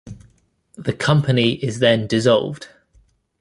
The company is then dissolved.